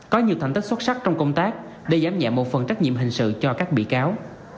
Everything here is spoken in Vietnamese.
có nhiều thành tích xuất sắc trong công tác để giám nhẹ một phần trách nhiệm hình sự cho các bị cáo